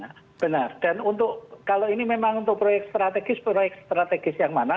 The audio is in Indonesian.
dan kalau ini memang untuk proyek strategis proyek strategis yang mana